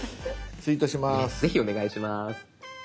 ぜひお願いします。